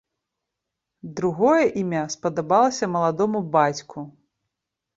Другое імя спадабалася маладому бацьку.